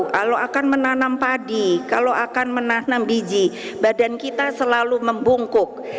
kalau akan menanam padi kalau akan menanam biji badan kita selalu membungkuk